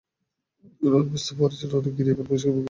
রণবেশ তো পরেছ, রণরঙ্গিণী, এবার পুরুষের বুকে কষে হানো শেল।